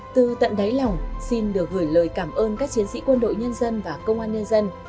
từ tận đáy lòng xin được gửi lời cảm ơn các chiến sĩ quân đội nhân dân và công an nhân dân